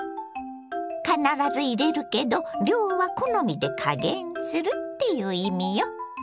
必ず入れるけど量は好みで加減するっていう意味よ。